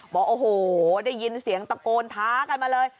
บอกโอ้โหได้ยินเสียงตะโกนท้ากันมาเลย